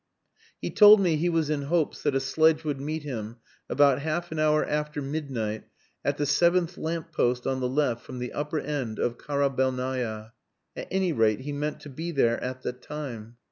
"He told me he was in hopes that a sledge would meet him about half an hour after midnight at the seventh lamp post on the left from the upper end of Karabelnaya. At any rate, he meant to be there at that time.